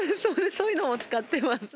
そういうのも使ってます。